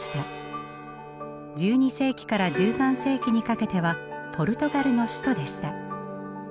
１２世紀から１３世紀にかけてはポルトガルの首都でした。